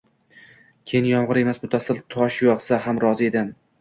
Keyin yomg‘ir emas, muttasil tosh yog‘sa ham rozi edim.